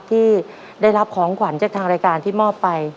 ที่ได้รับของขวัญจากทางรายการที่มอบไป